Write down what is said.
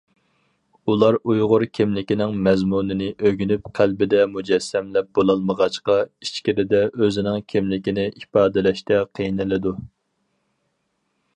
ئۇلار ئۇيغۇر كىملىكىنىڭ مەزمۇنىنى ئۆگىنىپ قەلبىدە مۇجەسسەملەپ بولالمىغاچقا ئىچكىرىدە ئۆزىنىڭ كىملىكىنى ئىپادىلەشتە قىينىلىدۇ.